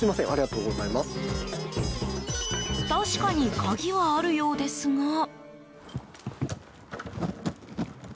確かに鍵はあるようですが。